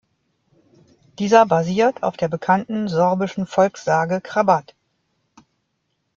Dieser basiert auf der bekannten sorbischen Volkssage Krabat.